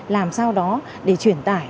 làm sao đó để truyền tải